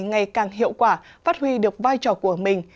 ngày càng hiệu quả phát huy được vai trò của mình